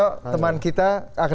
itu dihukum dan hukum telah